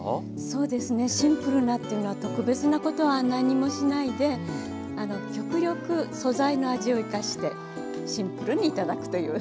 そうですねシンプルなっていうのは特別なことは何もしないで極力素材の味を生かしてシンプルに頂くという。